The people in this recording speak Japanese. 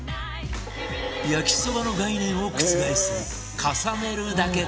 焼きそばの概念を覆す重ねるだけ！